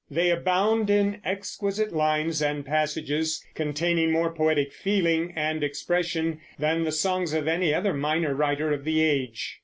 They abound in exquisite lines and passages, containing more poetic feeling and expression than the songs of any other minor writer of the age.